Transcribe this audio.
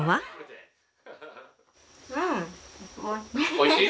・おいしい？